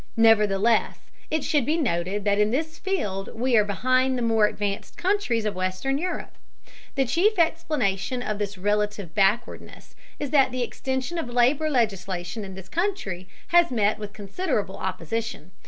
Nevertheless, it should be noted that in this field we are behind the more advanced countries of western Europe. The chief explanation of this relative backwardness is that the extension of labor legislation in this country has met with considerable opposition.